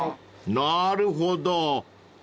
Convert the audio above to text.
［なるほどー］